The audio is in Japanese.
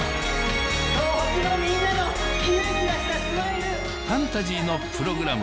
東北のみんなのキラキラしたスマイルファンタジーのプログラム